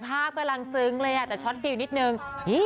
ภาพกำลังซึมเลยอ่ะเดี๋ยวช็อตฟีลนิดนึง